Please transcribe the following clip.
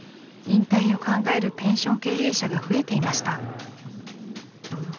引退を考えるペンション経営者が増えていました。